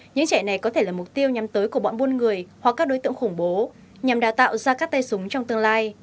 những trẻ này có thể là mục tiêu nhắm tới của bọn buôn người hoặc các đối tượng khủng bố nhằm đào tạo ra các tay súng trong tương lai